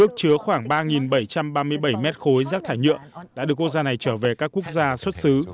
ước chứa khoảng ba bảy trăm ba mươi bảy mét khối rác thải nhựa đã được quốc gia này trở về các quốc gia xuất xứ